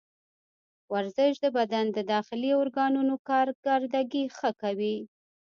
ورزش د بدن د داخلي ارګانونو کارکردګي ښه کوي.